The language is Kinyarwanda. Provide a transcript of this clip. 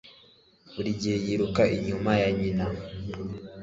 Buri gihe yiruka inyuma ya nyina